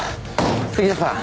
杉下さん